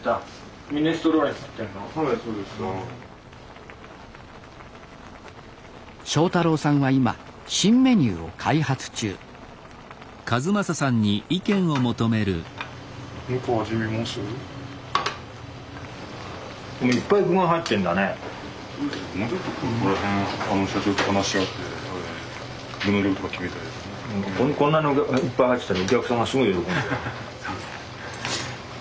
ここにこんなの具いっぱい入ってたらお客さんがすごい喜んじゃうね。